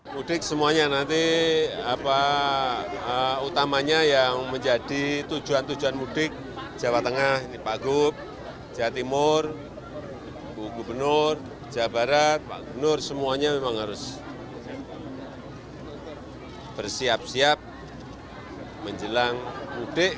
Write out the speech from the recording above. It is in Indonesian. mudik semuanya nanti utamanya yang menjadi tujuan tujuan mudik jawa tengah pak gup jawa timur gubernur jawa barat pak gubernur semuanya memang harus bersiap siap menjelang mudik